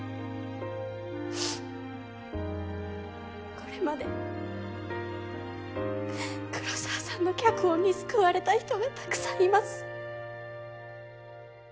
これまで黒澤さんの脚本に救われた人がたくさんいます。